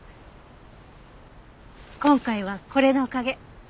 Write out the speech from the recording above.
今回はこれのおかげ。